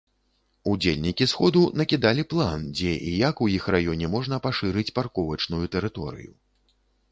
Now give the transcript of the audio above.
Удзельнікі сходу накідалі план, дзе і як у іх раёне можна пашырыць парковачную тэрыторыю.